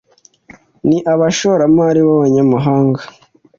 ni abashoramari b’abanyamahanga